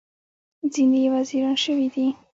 ځینې یې وزیران شوي دي.